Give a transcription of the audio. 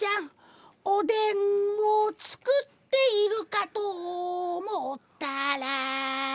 「おでんを作っているかと思ったら」